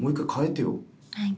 はい。